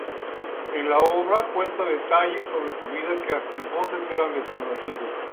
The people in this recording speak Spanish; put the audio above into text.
En la obra cuenta detalles sobre su vida que hasta entonces eran desconocidos.